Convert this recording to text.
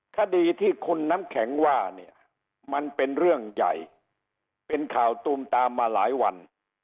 คดีที่คุณน้ำแข็งว่าเนี่ยมันเป็นเรื่องใหญ่เป็นข่าวตูมตามมาหลายวัน